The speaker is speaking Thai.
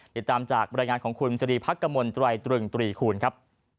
ติดตามจากบรรยายงานของคุณจริภักษ์กระมวลตรวัยตรึ่ง๓คูณครับ